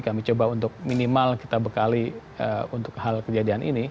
kami coba untuk minimal kita bekali untuk hal kejadian ini